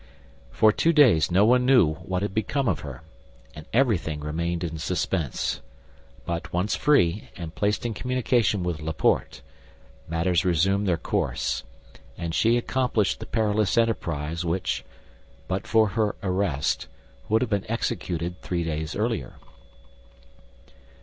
For two days no one knew what had become of her, and everything remained in suspense; but once free, and placed in communication with Laporte, matters resumed their course, and she accomplished the perilous enterprise which, but for her arrest, would have been executed three days earlier.